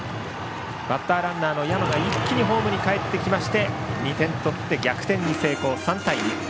バッターランナーの山が一気にホームにかえって２点取って逆転に成功、３対２。